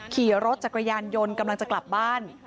ขี่รถจักรยานยนต์กำลังจะกลับบ้าน